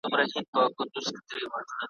آفتونه یې له خپله لاسه زېږي ,